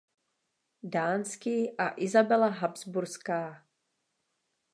Dánský a Isabela Habsburská.